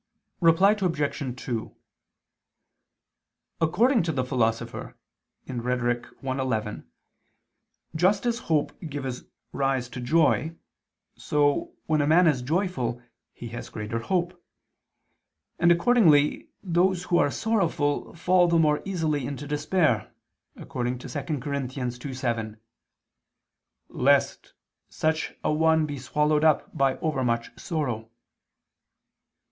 Reply Obj. 2: According to the Philosopher (Rhet. i, 11), just as hope gives rise to joy, so, when a man is joyful he has greater hope: and, accordingly, those who are sorrowful fall the more easily into despair, according to 2 Cor. 2:7: "Lest ... such an one be swallowed up by overmuch sorrow."